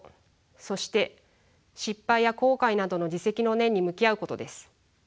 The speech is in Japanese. そして失敗や後悔などの自責の念に向き合うことです。